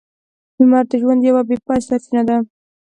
لمر د ژوند یوه بې پايه سرچینه ده.